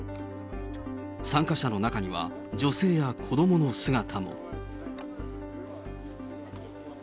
参加者の中には、女性や子どもの姿も。